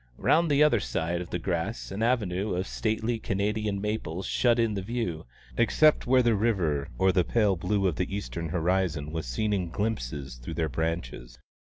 Round the other side of the grass an avenue of stately Canadian maples shut in the view, except where the river or the pale blue of the eastern horizon was seen in glimpses through their branches.